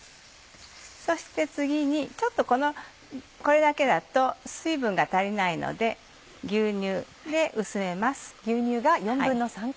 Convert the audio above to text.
そして次にちょっとこれだけだと水分が足りないので牛乳で薄めます。